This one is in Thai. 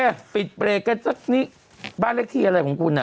อ่ะปิดเบรกกันสักนิดบ้านเลขที่อะไรของคุณอ่ะ